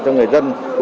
cho người dân